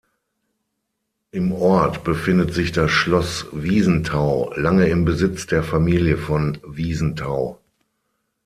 Im Ort befindet sich das Schloss Wiesenthau, lange im Besitz der Familie von Wiesenthau.